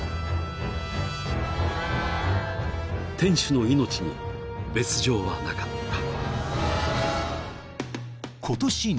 ［店主の命に別条はなかった］